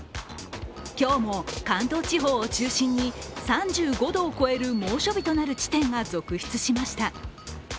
今日も、関東地方を中心に３５度を超える猛暑日となる地点が続出しました。